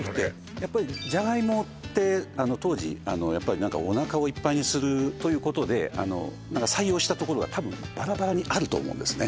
やっぱりじゃがいもって当時やっぱり何かおなかをいっぱいにするということで採用した所がたぶんバラバラにあると思うんですね